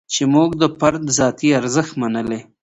چې موږ د فرد ذاتي ارزښت منلی.